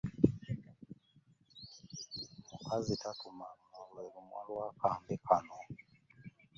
Mukazi tatuma: luno lwe lumwa lw’akambe kano.